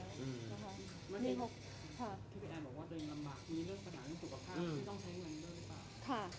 พี่แอนบอกว่าตัวเองลำบากมีเรื่องขนาดสุขภาพที่ต้องใช้เงินด้วยหรือเปล่า